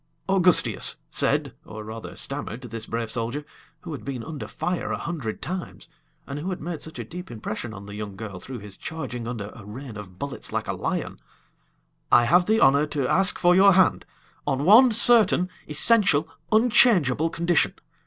"Augustias," said, or rather stammered, this brave soldier, who had been under fire a hundred times, and who had made such a deep impression on the young girl through his charging under a rain of bullets like a lion, "I have the honor to ask for your hand on one certain, essential, unchangeable condition.